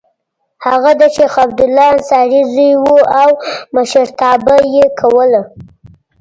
هغه د شیخ عبدالله انصاري زوی و او مشرتابه یې کوله.